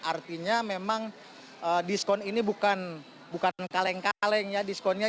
artinya memang diskon ini bukan kaleng kaleng ya diskonnya